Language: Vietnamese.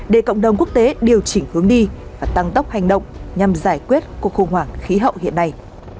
để cộng đồng quốc tế điều chỉnh hướng đi và tăng tốc hành động nhằm giải quyết cuộc khủng hoảng khí hậu hiện nay